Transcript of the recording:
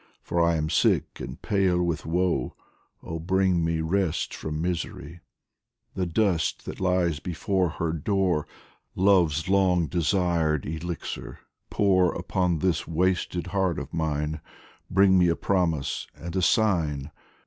For I am sick and pale with woe ; Oh bring me rest from misery ! The dust that lies before her door. Love's long desired elixir, pour Upon this wasted heart of mine Bring me a promise and a sign